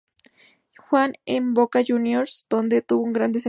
Jugó en Boca Juniors donde tuvo un gran desempeño.